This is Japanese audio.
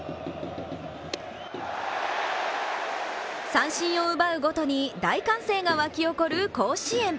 三振を奪うごとに大歓声が沸き起こる甲子園。